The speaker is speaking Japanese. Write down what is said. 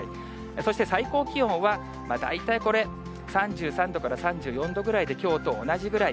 そして、最高気温は大体これ、３３度から３４度ぐらいで、きょうと同じぐらい。